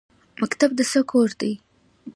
مکتب د څه کور دی؟